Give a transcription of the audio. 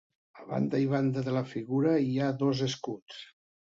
A banda i banda de la figura hi ha dos escuts.